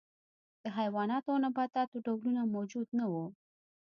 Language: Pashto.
د حیواناتو او نباتاتو ډولونه موجود نه وو.